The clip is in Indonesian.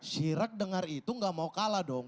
sirak dengar itu gak mau kalah dong